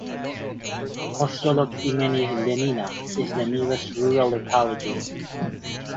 Posyolok imeni Lenina is the nearest rural locality.